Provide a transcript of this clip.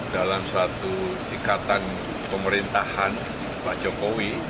dalam suatu ikatan pemerintahan pak jokowi